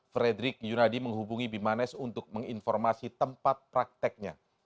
fredrik yunadi menghubungi bimanes untuk menginformasi tempat prakteknya